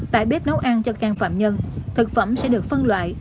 tại bếp nấu ăn cho can phạm nhân thực phẩm sẽ được phân loại